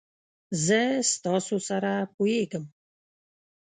زه ستاسو سره پوهیږم.